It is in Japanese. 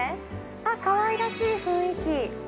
かわいらしい雰囲気。